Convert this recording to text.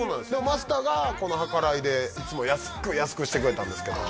マスターがこの計らいでいつも安く安くしてくれたんですけど